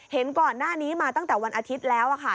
เห็นก่อนหน้านี้มาตั้งแต่วันอาทิตย์แล้วค่ะ